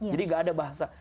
jadi gak ada bahasa